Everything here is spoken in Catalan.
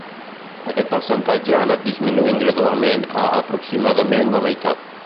Aquest percentatge ha anat disminuint gradualment a aproximadament la meitat.